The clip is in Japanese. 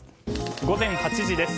午前８時です。